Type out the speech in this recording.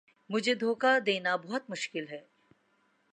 مجھے دھوکا دینا بہت مشکل ہے